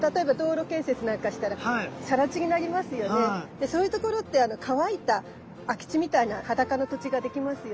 でそういう所って乾いた空き地みたいな裸の土地ができますよね。